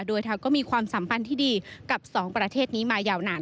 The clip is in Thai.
โดยเธอก็มีความสัมพันธ์ที่ดีกับสองประเทศนี้มายาวนาน